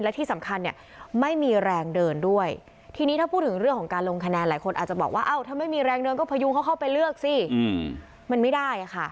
และที่สำคัญยังไม่มีแรงเดินด้วย